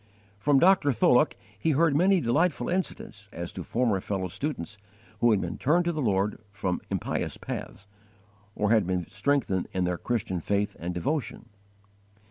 From Dr. Tholuck he heard many delightful incidents as to former fellow students who had been turned to the Lord from impious paths, or had been strengthened in their Christian faith and devotion.